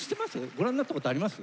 ご覧になったことあります？